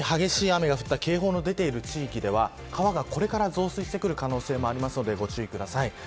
特に激しい雨が降った警報が出ている地域では川がこれから増水する可能性もありますのでご注意ください。